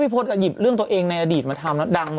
พิธภรรยากรหยี่ปเรื่องตัวเองในอดีตมาทำแล้วดังหมด